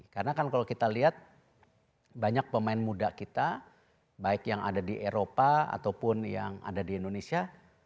karena kan kalau kita lihat banyak pemain muda kita baik yang ada di eropa ataupun yang ada di indonesia